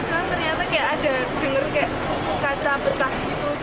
cuma ternyata kayak ada dengar kayak kaca pecah gitu